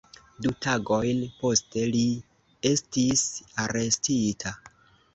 Du tagojn poste, li estis arestita.